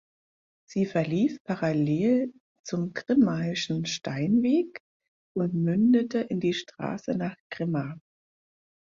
Sie verlief parallel zum Grimmaischen Steinweg und mündete in die Straße nach Grimma.